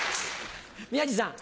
宮治さん。